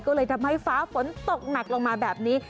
ก็เลยทำให้ฟ้าฝนตกหนักลงมาแบบนี้